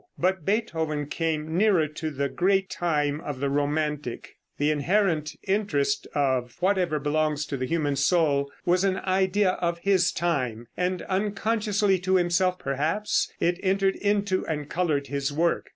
But Beethoven came nearer to the great time of the romantic. The inherent interest of whatever belongs to the human soul was an idea of his time, and unconsciously to himself, perhaps, it entered into and colored his work.